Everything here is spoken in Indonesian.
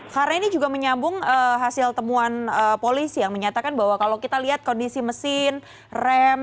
karena ini juga menyambung hasil temuan polisi yang menyatakan bahwa kalau kita lihat kondisi mesin rem